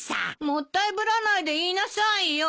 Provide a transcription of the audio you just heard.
もったいぶらないで言いなさいよ。